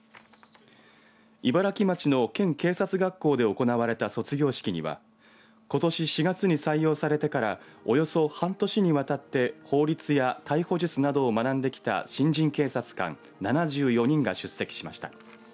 茨城町の県警察学校で行われた卒業式にはことし４月に採用されてからおよそ半年にわたって法律や逮捕術などを学んできた新人警察官７４人が出席しました。